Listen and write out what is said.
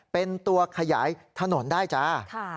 เป็นตัวขยายถนนได้จ้า